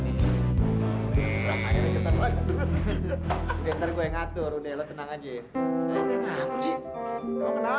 ntar gue yang ngatur lo tenang aja ya